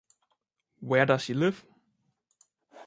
Where does he live?